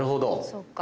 そっか。